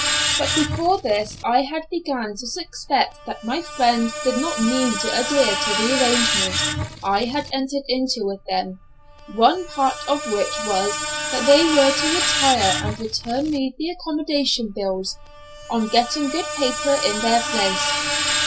But before this I had began to suspect that my friends did not mean to adhere to the arrangement I had entered into with them, one part of which was, that they were to retire and return me the accommodation bills, on getting good paper in their place.